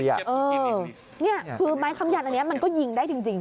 นี่คือไม้คำยันอันนี้มันก็ยิงได้จริง